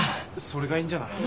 それがいいんじゃない。